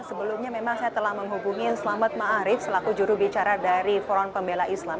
sebelumnya memang saya telah menghubungi selamat ma'arif selaku juru bicara dari foron pembela islam